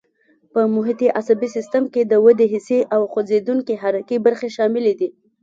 په محیطي عصبي سیستم کې دوې حسي او خوځېدونکي حرکي برخې شاملې دي.